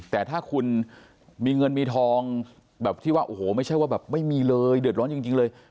แต่ถ้าคุณมีเงินมีทองแบบที่ว่าโอ้โหไม่ใช่ว่าแบบไม่มีเลยเดือดร้อนจริงเลย